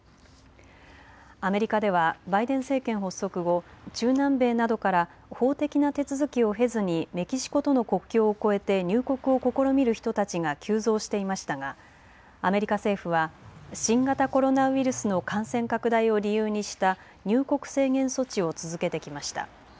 アメリカではバイデン政権発足後、中南米などから法的な手続きを経ずにメキシコとの国境を越えて入国を試みる人たちが急増していましたがアメリカ政府は新型コロナウイルスの感染拡大を理由にした入国制限措置を続けてきました。